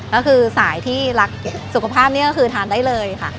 ก็คือสายที่รักสุขภาพนี่ก็คือทานได้เลยค่ะ